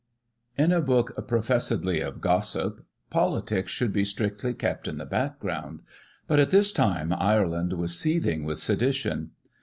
In a book, professedly of Gossip, politics should be strictly kept in the background — ^but at this time Ireland was seeth ing with sedition.